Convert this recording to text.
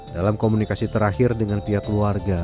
dalam komunikasi terakhir dengan pihak keluarga